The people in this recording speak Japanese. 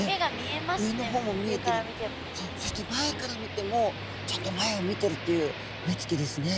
そして前から見てもちゃんと前を見てるという目つきですね。